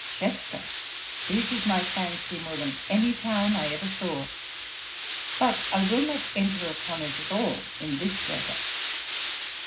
Chester pleases my fancy more than any town I ever saw. But I will not enter upon it at all in this letter.